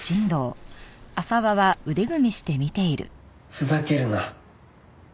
ふざけるな。